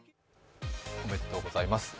おめでとうございます。